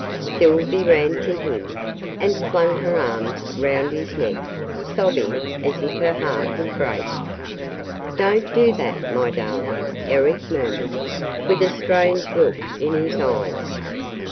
Sylvie ran to him, and flung her arms round his neck, sobbing as if her heart would break. "Don't do that, my darling!" Eric murmured, with a strange look in his eyes.